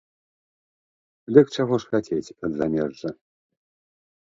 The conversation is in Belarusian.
Дык чаго ж хацець ад замежжа?